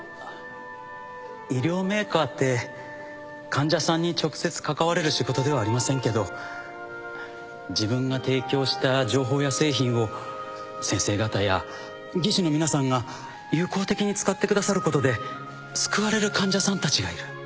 医療メーカーって患者さんに直接関われる仕事ではありませんけど自分が提供した情報や製品を先生方や技師の皆さんが有効的に使ってくださることで救われる患者さんたちがいる